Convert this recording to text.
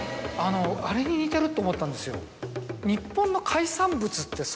あれに似てると思ったんですよ。